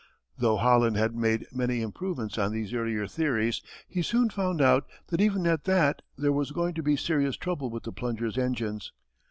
Though Holland had made many improvements on these earlier theories, he soon found out that even at that there was going to be serious trouble with the Plunger's engines.